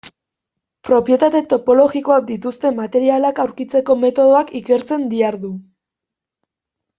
Propietate topologikoak dituzten materialak aurkitzeko metodoak ikertzen dihardu.